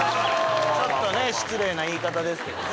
ちょっとね失礼な言い方ですけどね